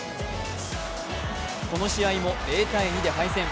この試合も０−２で敗戦。